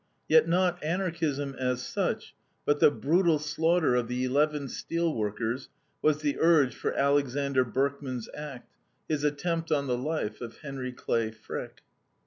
Yet not Anarchism, as such, but the brutal slaughter of the eleven steel workers was the urge for Alexander Berkman's act, his attempt on the life of Henry Clay Frick.